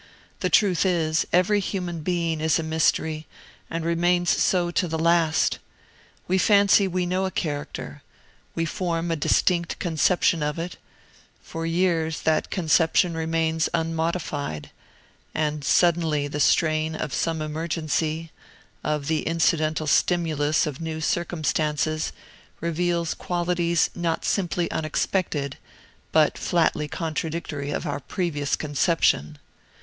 The truth is, every human being is a mystery, and remains so to the last. We fancy we know a character; we form a distinct conception of it; for years that conception remains unmodified, and suddenly the strain of some emergency, of the incidental stimulus of new circumstances, reveals qualities not simply unexpected, but flatly contradictory of our previous conception.